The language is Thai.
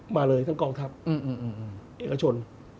มาเลยทั้งกองทัพเอกชน